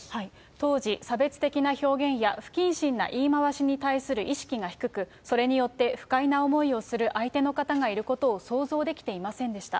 当時、差別的な表現や不謹慎な言い回しに対する意識が低く、それによって、不快な思いをする相手の方がいることを想像できていませんでした。